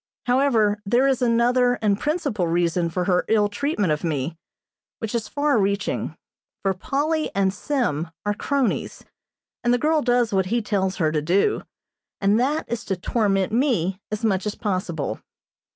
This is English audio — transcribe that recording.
However, there is another and principal reason for her ill treatment of me, which is far reaching, for Polly and Sim are cronies, and the girl does what he tells her to do, and that is to torment me as much as possible.